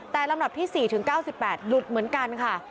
แต่ลำดับที่๔ถึง๙๘หลุดเหมือนกันค่ะ